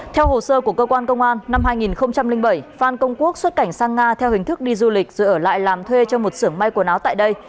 theo hồ sơ của cơ quan công an năm hai nghìn bảy phan công quốc xuất cảnh sang nga theo hình thức đi du lịch rồi ở lại làm thuê cho một sưởng may quần áo tại đây